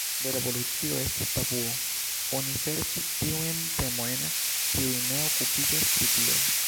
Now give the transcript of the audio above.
La revolucio estis tabuo, oni serĉis tiujn temojn, kiuj ne okupiĝas pri tio.